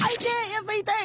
やっぱ痛い。